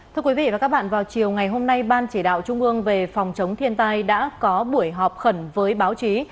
thưa quý vị và các bạn vào chiều ngày hôm nay ban chỉ đạo trung ương về phòng chống thiên tai đã có buổi họp khẩn với báo chí